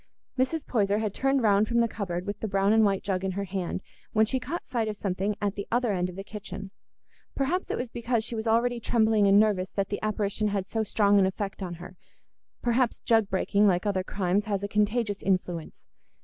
Mrs. Poyser had turned round from the cupboard with the brown and white jug in her hand, when she caught sight of something at the other end of the kitchen; perhaps it was because she was already trembling and nervous that the apparition had so strong an effect on her; perhaps jug breaking, like other crimes, has a contagious influence.